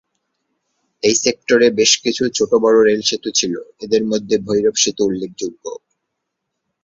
এই সেক্টরে বেশ কিছু ছোট-বড় রেলসেতু ছিল, এদের মধ্যে ভৈরব সেতু উল্লেখযোগ্য।